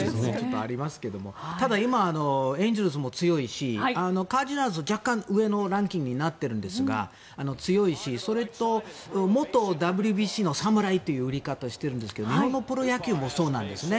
ただ、今、エンゼルスも強いしカージナルスも若干、上のランキングになってるんですが強いし、それと元ＷＢＣの侍という売り方をしていますが日本のプロ野球もそうなんですね。